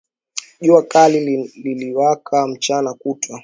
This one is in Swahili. Jua kali liliwaka mchana kutwa.